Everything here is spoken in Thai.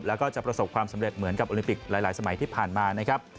แล้วก็จะประสบความสำเร็จเหมือนกับโอลิมปิกหลายสมัยที่ผ่านมานะครับ